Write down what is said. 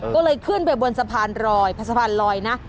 ก็เลยขึ้นไปบนสะพานลอยสะพานลอยนะ